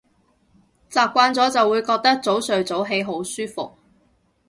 習慣咗就會覺得早睡早起好舒服